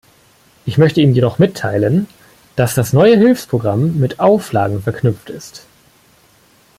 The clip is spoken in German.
Ich möchte ihm jedoch mitteilen, dass das neue Hilfsprogramm mit Auflagen verknüpft ist.